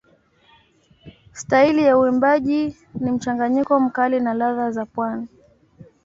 Staili ya uimbaji ni mchanganyiko mkali na ladha za pwani.